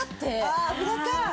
ああ油か。